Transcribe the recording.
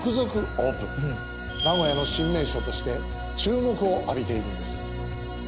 名古屋の新名所として注目を浴びているんです。